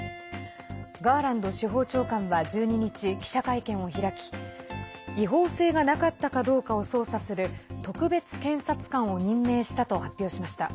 ガーランド司法長官は１２日記者会見を開き違法性がなかったかどうかを捜査する特別検察官を任命したと発表しました。